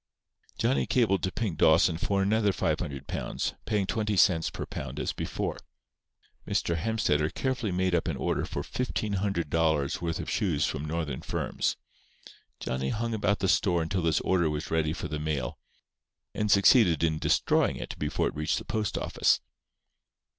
Johnny cabled to Pink Dawson for another 500 pounds, paying twenty cents per pound as before. Mr. Hemstetter carefully made up an order for $1500 worth of shoes from Northern firms. Johnny hung about the store until this order was ready for the mail, and succeeded in destroying it before it reached the postoffice.